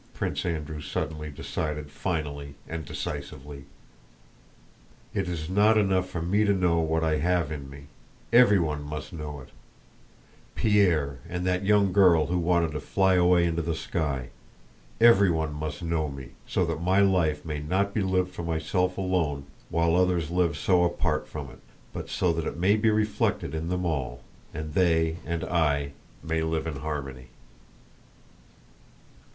Prince Andrew suddenly decided finally and decisively. "It is not enough for me to know what I have in me—everyone must know it: Pierre, and that young girl who wanted to fly away into the sky, everyone must know me, so that my life may not be lived for myself alone while others live so apart from it, but so that it may be reflected in them all, and they and I may live in harmony!"